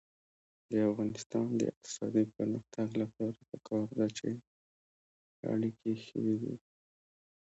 د افغانستان د اقتصادي پرمختګ لپاره پکار ده چې اړیکې ښې وي.